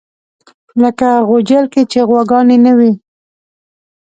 لکه غوجل کې چې غواګانې نه وي.